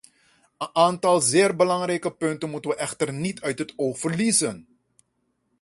Een aantal zeer belangrijke punten moeten we echter niet uit het oog verliezen.